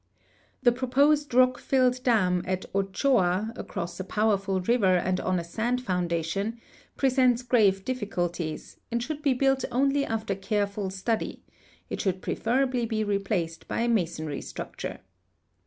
The proposed rock tilled dam at Ochoa, across a iioAverful river and on a sand foundation, pre sents grave difficulties, and should be Imilt only after careful study; it should })referal)ly be replaced by a masonry structure.